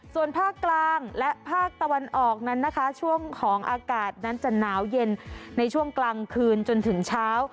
ส่วนภาคกลางและภาคตะวันออกนั้นนะคะช่วงของอากาศนั้นจะหนาวเย็นในช่วงกลางคืนจนถึงเช้า